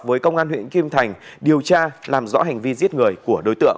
với công an huyện kim thành điều tra làm rõ hành vi giết người của đối tượng